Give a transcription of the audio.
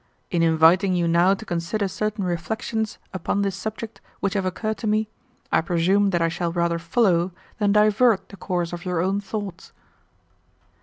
In inviting you now to consider certain reflections upon this subject which have occurred to me, I presume that I shall rather follow than divert the course of your own thoughts."